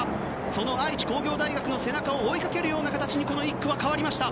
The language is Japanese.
その愛知工業大学の背中を追いかけるような形にこの１区は変わりました。